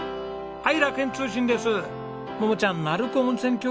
はい！